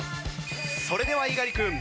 それでは猪狩君